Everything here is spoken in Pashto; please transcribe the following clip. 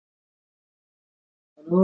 توبه درې اساسي شرطونه لري